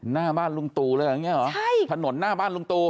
หน้าบ้านลุงตู่เลยอย่างเงี้เหรอใช่ถนนหน้าบ้านลุงตู่